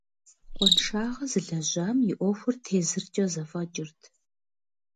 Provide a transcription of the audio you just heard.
Къуаншагъэ зылэжьам и ӏуэхур тезыркӏэ зэфӏэкӏырт.